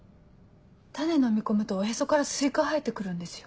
種のみ込むとおへそからスイカ生えて来るんですよ。